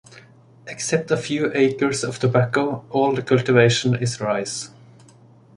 Except a few acres of tobacco, all the cultivation is rice.